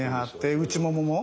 内ももも。